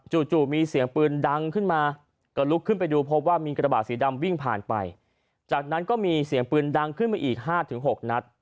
จู่มีเสียงปืนดังขึ้นมาก็ลุกขึ้นไปดูพบว่ามีกระบาดสีดำวิ่งผ่านไปจากนั้นก็มีเสียงปืนดังขึ้นมาอีก๕๖นัด